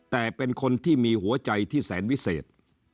แต่เป็นคนที่มีหัวใจที่แสนวิเศษ